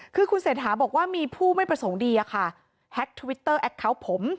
คือคุณเศรษฐาบอกว่ามีผู้ไม่ประสงค์ดีอะค่ะแฮ็กทวิตเตอร์แอคเคาน์ผม